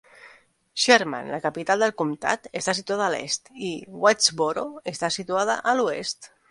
Sherman, la capital del comtat, està situada a l'est, i Whitesboro està situada a l'oest.